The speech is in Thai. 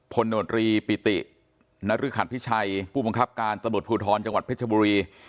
โนตรีปิตินรึขัดพิชัยผู้บังคับการตำรวจภูทรจังหวัดเพชรบุรี